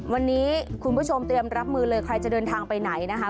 วันนี้คุณผู้ชมเตรียมรับมือเลยใครจะเดินทางไปไหนนะคะ